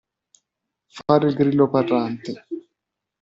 Fare il grillo parlante.